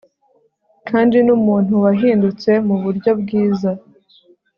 kandi numuntu wahindutse muburyo bwiza